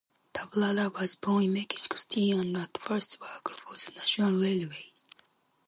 Tablada was born in Mexico City and at first worked for the national railways.